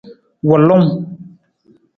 Wulung.